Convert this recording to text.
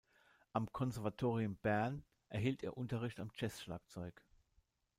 Am Konservatorium Bern erhielt er Unterricht am Jazz-Schlagzeug.